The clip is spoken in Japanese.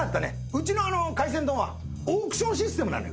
うちの海鮮丼はオークションシステムなのよ。